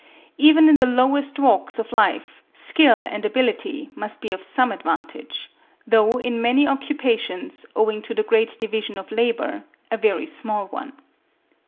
Even in the lowest walks of life, skill and ability must be of some advantage; though in many occupations, owing to the great division of labour, a very small one.